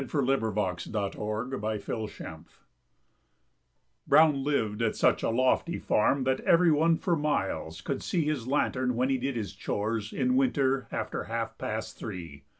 BROWN'S DESCENT OR THE WILLY NILLY SLIDE Brown lived at such a lofty farm That everyone for miles could see His lantern when he did his chores In winter after half past three.